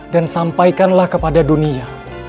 dan sampaikanlah kepada dunia